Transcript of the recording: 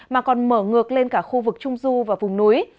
mà còn mở ngược lên cả khu vực trung du và vùng núi